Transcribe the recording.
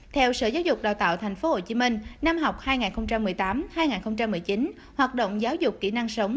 theo sở giáo dục đào tạo tp hcm năm học hai nghìn một mươi tám hai nghìn một mươi chín hoạt động giáo dục kỹ năng sống